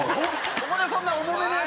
ここでそんな重めのやつ。